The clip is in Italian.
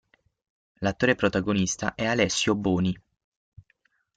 L'attore protagonista è Alessio Boni.